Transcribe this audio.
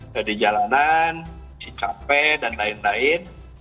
jadi jalanan masih capek dan lain lain